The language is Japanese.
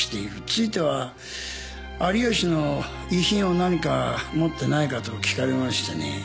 ついては有吉の遺品を何か持っていないかと訊かれましてね。